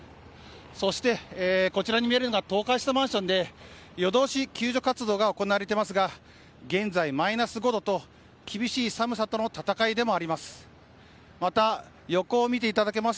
そしてこちらに見えるのが倒壊したマンションで夜通し救助活動が行われていますが現在、マイナス５度と厳しい寒さとの戦いでもあります。